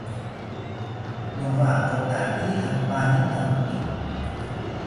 Nowakotakiri apani thampi